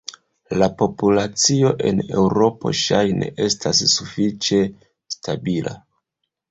La populacio en Eŭropo ŝajne estas sufiĉe stabila.